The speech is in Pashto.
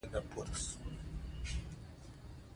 کرکټ زموږ فرهنګي ارزښت هم دئ.